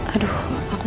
aduh aku mau tidur